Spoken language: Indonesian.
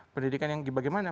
pendidikan yang bagaimana